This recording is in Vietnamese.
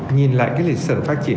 nhìn lại cái lịch sử phát triển